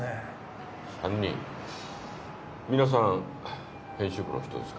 皆さん編集部の人ですか？